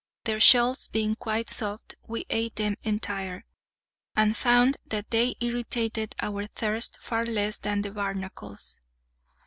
Their shells being quite soft, we ate them entire, and found that they irritated our thirst far less than the barnacles.